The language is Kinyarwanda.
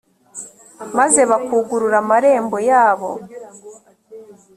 maze bakugurura amarembo yabo,